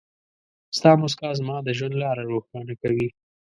ستا مسکا زما د ژوند لاره روښانه کوي.